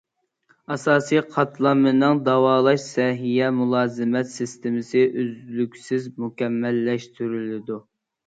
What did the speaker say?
ئاساسىي قاتلامنىڭ داۋالاش سەھىيە مۇلازىمەت سىستېمىسى ئۈزلۈكسىز مۇكەممەللەشتۈرۈلىدۇ.